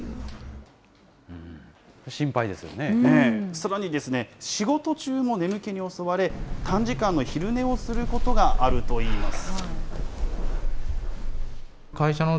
さらに、仕事中も眠気に襲われ、短時間の昼寝をすることがあるといいます。